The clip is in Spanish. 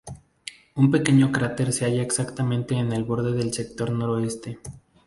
Un pequeño cráter se halla exactamente en el borde del sector noroeste.